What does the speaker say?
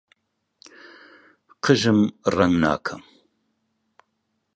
قژم ڕەنگ ناکەم.